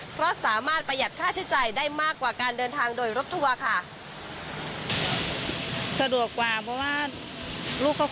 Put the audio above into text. เพราะสามารถประหยัดค่าใช้จ่ายได้มากกว่าการเดินทางโดยรถทัวร์ค่ะ